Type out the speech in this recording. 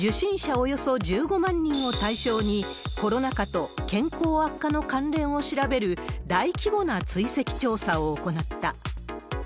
およそ１５万人を対象に、コロナ禍と健康悪化の関連を調べる大規模な追跡調査を行った。